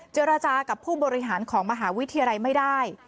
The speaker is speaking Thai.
เจรจากับผู้บริหารของมหาวิทยาลัยไม่ได้